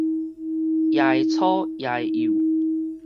也會粗，也會幼